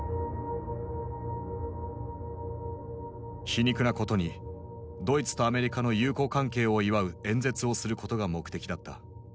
皮肉なことにドイツとアメリカの友好関係を祝う演説をすることが目的だった。